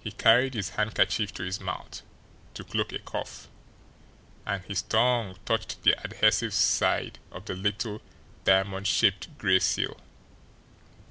He carried his handkerchief to his mouth to cloak a cough and his tongue touched the adhesive side of the little diamond shaped gray seal.